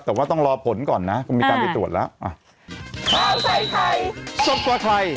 แต่ว่าต้องรอผลก่อนนะก็มีการไปตรวจแล้ว